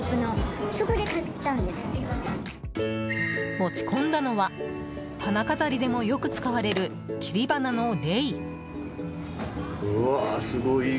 持ち込んだのは花飾りでもよく使われる切り花のレイ。